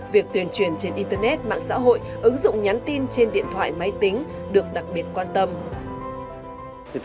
việc tuyên truyền trên internet mạng xã hội ứng dụng nhắn tin trên điện thoại máy tính được đặc biệt quan tâm